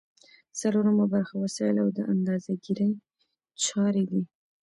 څلورمه برخه وسایل او د اندازه ګیری چارې دي.